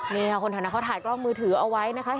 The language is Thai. นี่ค่ะคนแถวนั้นเขาถ่ายกล้องมือถือเอาไว้นะคะ